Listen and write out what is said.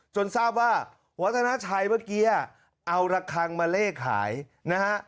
ทราบว่าวัฒนาชัยเมื่อกี้เอาระคังมาเลขขายนะฮะ